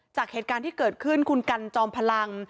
จากเหตุการณ์ที่เกิดขึ้นคุณกันจอมพลัง